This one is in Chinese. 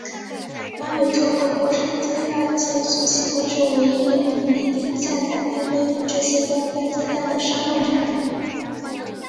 南美州的博士资料检索系统是唯一有能力下载并恢复这些崩溃资料的商用产品。